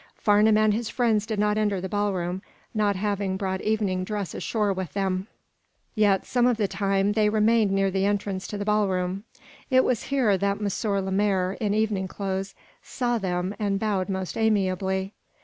Farnum and his friends did not enter the ballroom, not having brought evening dress ashore with them. Yet, some of the time, they remained near the entrance to the ballroom. It was here that M. Lemaire, in evening clothes, saw them and bowed most amiably.